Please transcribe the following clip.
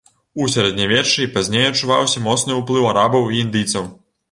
У сярэднявеччы і пазней адчуваўся моцны ўплыў арабаў і індыйцаў.